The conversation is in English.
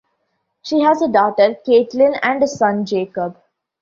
She has a daughter, Katelin, and a son, Jacob.